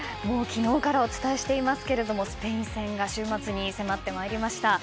昨日からお伝えしていますがスペイン戦が週末に迫ってまいりました。